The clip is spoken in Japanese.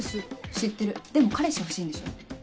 知ってるでも彼氏欲しいんでしょ？